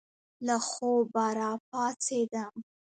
له خوبه را پاڅېدم.